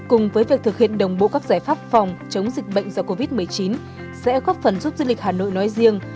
cùng với việc thực hiện đồng bộ các giải pháp phòng chống dịch bệnh do covid một mươi chín sẽ góp phần giúp du lịch hà nội nói riêng